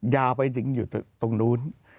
ยาวไปถึงอยู่ตรงนู้น